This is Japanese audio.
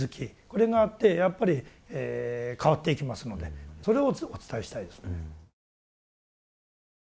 これがあってやっぱり変わっていきますのでそれをお伝えしたいですね。